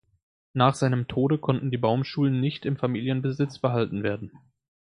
Nach seinem Tode konnten die Baumschulen nicht im Familienbesitz behalten werden.